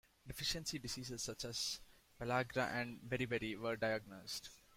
Deficiency diseases such as pellagra and beriberi were diagnosed.